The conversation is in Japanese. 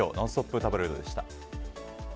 タブロイドでした。